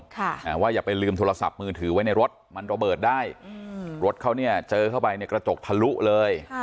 ค่ะอ่าว่าอย่าไปลืมโทรศัพท์มือถือไว้ในรถมันระเบิดได้อืมรถเขาเนี่ยเจอเข้าไปเนี่ยกระจกทะลุเลย